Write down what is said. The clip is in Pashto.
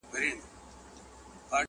داسي حال په ژوند کي نه وو پر راغلی؛